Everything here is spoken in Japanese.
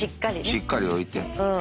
しっかり置いて。